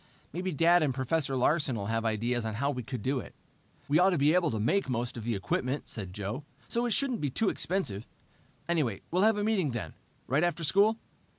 Maybe Dad and Professor Larsen will have ideas on how we could do it." "We ought to be able to make most of the equipment," said Joe, "so it shouldn't be too expensive. Anyway, we'll have a meeting then, right after school?"